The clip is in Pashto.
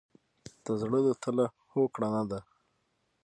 د زړه له تله هوکړه نه ده.